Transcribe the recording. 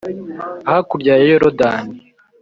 hakurya ya Yorodani